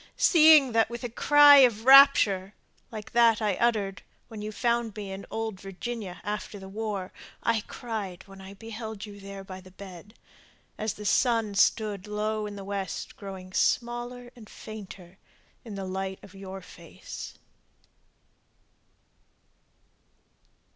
Seeing that with a cry of rapture, like that I uttered When you found me in old Virginia after the war, I cried when I beheld you there by the bed, As the sun stood low in the west growing smaller and fainter In the light of your face!